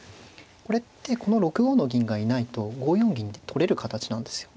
これってこの６五の銀がいないと５四銀で取れる形なんですよ。